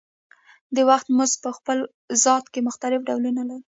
د وخت مزد په خپل ذات کې مختلف ډولونه لري